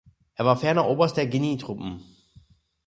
Er war ferner Oberst der Genietruppen.